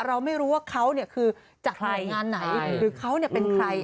เราไม่รู้ว่าเขาคือจากหน่วยงานไหนหรือเขาเป็นใคร